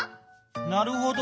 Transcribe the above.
なるほど。